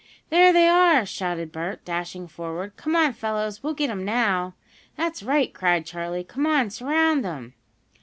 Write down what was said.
"There they are!" shouted Bert, dashing forward. "Come on, fellows! We'll get 'em now!" "That's right!" cried Charley. "Come on, surround 'em!"